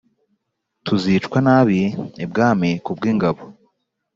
tuzicwa nabi ibwami kubwingabo